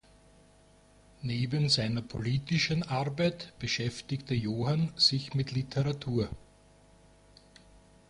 Neben seiner politischen Arbeit beschäftigte Johann sich mit Literatur.